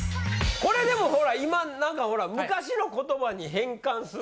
これでもほら今なんか昔の言葉に変換する。